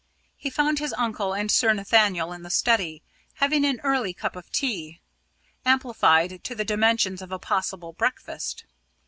He found his uncle and Sir Nathaniel in the study, having an early cup of tea, amplified to the dimensions of a possible breakfast.